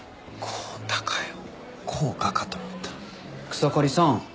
草刈さん